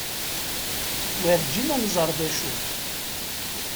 Werǧin ad nẓer d acu.